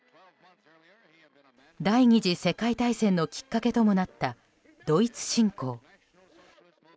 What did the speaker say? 第２次世界大戦のきっかけともなったドイツ侵攻。